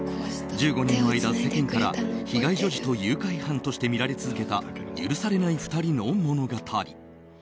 １５年の間、世間から被害女児と誘拐犯として見られ続けた許されない２人の物語。